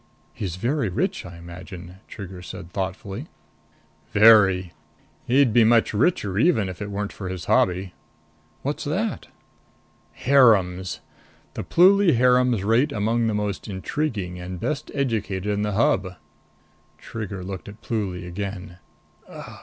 "He's very rich, I imagine?" Trigger said thoughtfully. "Very. He'd be much richer even if it weren't for his hobby." "What's that?" "Harems. The Pluly harems rate among the most intriguing and best educated in the Hub." Trigger looked at Pluly again. "Ugh!"